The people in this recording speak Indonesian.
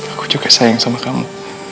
aku juga sayang sama kamu